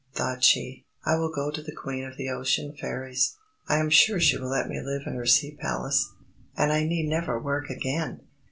thought she. "I will go to the Queen of the Ocean Fairies. I am sure she will let me live in her Sea Palace; and I need never work again!"